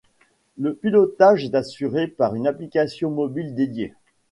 Le pilotage est assuré par une application mobile dédiée.